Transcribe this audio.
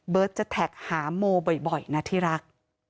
เบิร์ตจะแท็กหาโมบ่อยบ่อยนะที่รัก